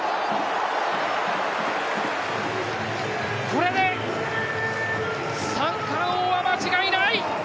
これで三冠王は間違いない。